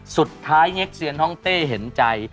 สุดท้ายเง็กเซียนห้องเต้เห็นใจ